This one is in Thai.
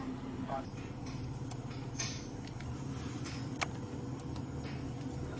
เอามีมอสขอบคุณเจ๊ไม่เดี๋ยวก็ไปใกล้หน่อยไม่ได้